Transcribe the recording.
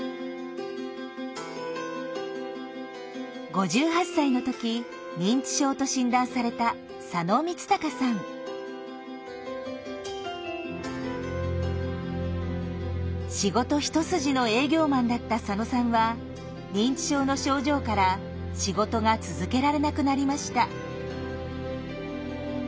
５８歳の時認知症と診断された仕事一筋の営業マンだった佐野さんは認知症の症状から仕事が続けられなくなりました。